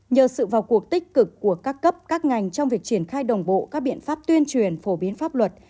nhờ sự vào cuộc tích cực của các cấp các ngành trong việc triển khai đồng bộ các biện pháp tuyên truyền phổ biến pháp luật